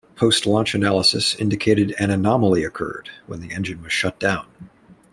Post-launch analysis indicated an anomaly occurred when the engine was shut down.